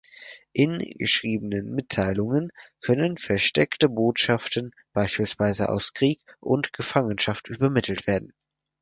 In geschriebenen Mitteilungen können versteckte Botschaften beispielsweise aus Krieg und Gefangenschaft übermittelt werden.